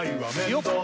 よっ！